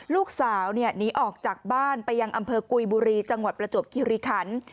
ลูกสาวหนีออกจากบ้านไปยังอำเภอกุยบุรีจังหวัดประจวบคิริคัน